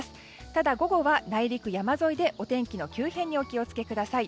ただ午後は内陸、山沿いでお天気の急変にお気を付けください。